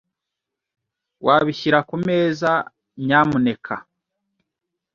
Wabishyira kumeza, nyamuneka?